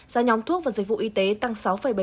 giá nhóm thuốc và dịch vụ y tế tăng sáu bảy mươi bốn